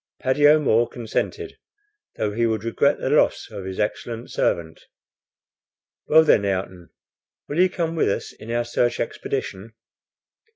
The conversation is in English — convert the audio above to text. Paddy O'Moore consented, though he would regret the loss of his excellent servant. "Well, then, Ayrton, will you come with us in our search expedition?"